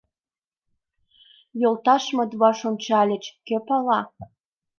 Йолташмыт ваш ончальыч: кӧ пала?